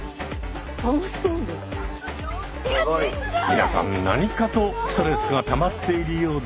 皆さん何かとストレスがたまっているようで。